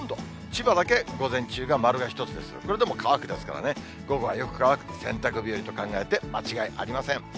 千葉だけ午前中が丸が１つですが、これでも乾くですからね、午後はよく乾く、洗濯日和と考えて間違いありません。